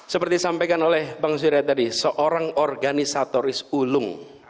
seperti disampaikan oleh bang surya tadi seorang organisatoris ulung